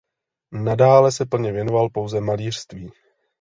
Nadále se plně věnoval pouze malířství.